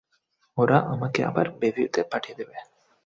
ওরা আমাকে আবার বেভিউ তে পাঠিয়ে দিবে।